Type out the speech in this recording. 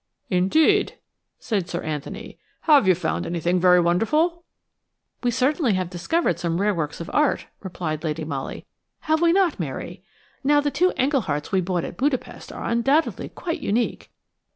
"Indeed," said Sir Anthony. "Have you found anything very wonderful?" "We certainly have discovered some rare works of art," replied Lady Molly, "have we not, Mary? Now the two Englehearts we bought at Budapest are undoubtedly quite unique."